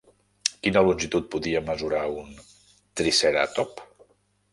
Quina longitud podia mesurar un triceratop?